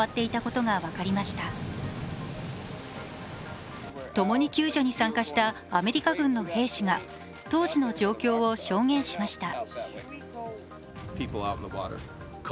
ともに救助に参加したアメリカ軍の兵士が当時の状況を証言しました。